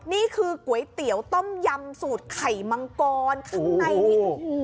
นี่คือก๋วยเตี๋ยวต้มยำสูตรไข่มังกรข้างในนี่โอ้โห